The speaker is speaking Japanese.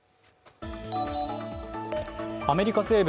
アメリカ西部